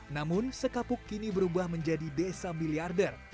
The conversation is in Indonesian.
namun sekapuk kini berubah menjadi desa miliarder